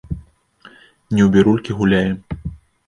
Не ў бірулькі гуляем.